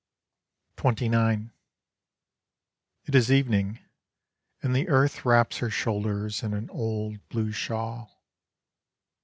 XXIX It is evening, and the earth Wraps her shoulders in an old blue shawl.